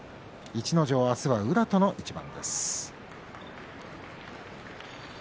逸ノ城は明日は宇良との一番です。